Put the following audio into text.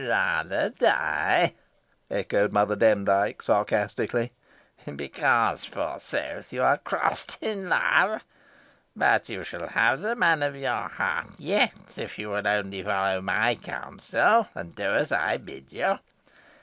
"Rather die!" echoed Mother Demdike, sarcastically, "because, forsooth, you are crossed in love. But you shall have the man of your heart yet, if you will only follow my counsel, and do as I bid you.